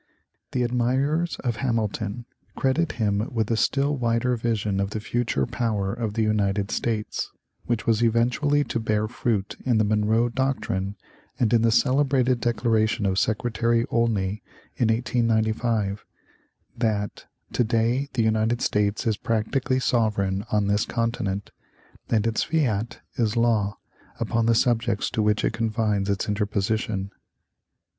The admirers of Hamilton credit him with a still wider vision of the future power of the United States, which was eventually to bear fruit in the Monroe doctrine and in the celebrated declaration of Secretary Olney in 1895, that "to day the United States is practically sovereign on this continent, and its fiat is law upon the subjects to which it confines its interposition."